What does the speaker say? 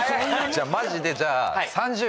マジでじゃあ。